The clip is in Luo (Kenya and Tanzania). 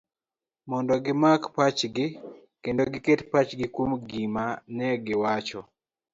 mondo gimak pachji, kendo giket pachgi kuom gima negiwacho